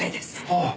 ああ。